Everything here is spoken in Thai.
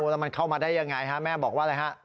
แล้วมันเข้ามาได้ยังไงฮะแม่บอกว่าอะไรฮะ